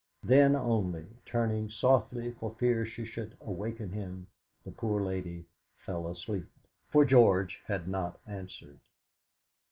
Then only, turning softly for fear she should awaken him, the poor lady fell asleep. For George had not answered.